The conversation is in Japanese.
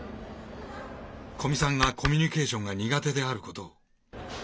古見さんがコミュニケーションが苦手であることを。